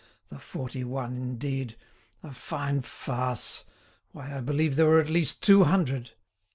The forty one indeed! a fine farce! Why, I believe there were at least two hundred."